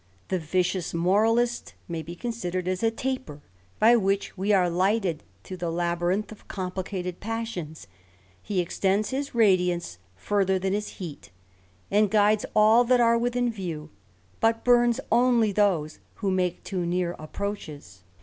The vicious moralist may be k ^idered as a taper, by which we are lighted through the 1 ■sbyrinth of complicated passions, he extends his radiance ] further than his heat, and guides all that are within vi *DUt bums only those who make too near approaches.